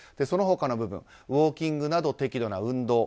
その他の部分ウォーキングなど適度な運動。